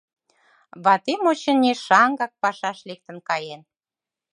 Ватем, очыни, шаҥгак пашаш лектын каен.